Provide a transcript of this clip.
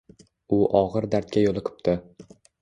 U ogʻir dardga yoʻliqipti...